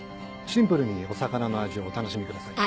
シンプルにお魚の味をお楽しみください。